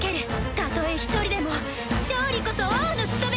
たとえ一人でも勝利こそ王の務め！